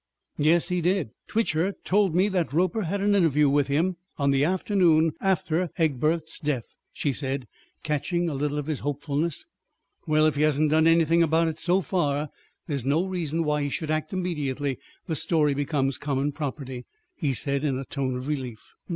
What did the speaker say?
"Yes, he did. Twitcher told me that Roper had an interview with him on the afternoon after Egbert's death," she said, catching a little of his hopefulness. "Well, if he hasn't done anything about it so far, there's no reason why he should act immediately the story becomes common property," he said in a tone of relief.